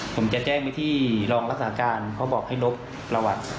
เป็นอยู่อย่างนี้นานไหมครับ